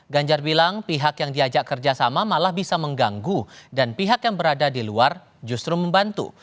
ganjar bilang pihak yang diajak kerjasama malah bisa mengganggu dan pihak yang berada di luar justru membantu